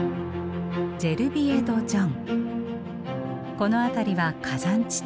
この辺りは火山地帯。